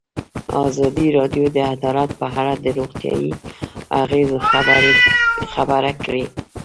ازادي راډیو د عدالت په اړه د روغتیایي اغېزو خبره کړې.